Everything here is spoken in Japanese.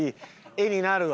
絵になるわ。